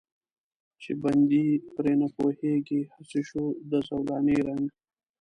چې بندي پرې نه پوهېږي، هسې شو د زولانې رنګ.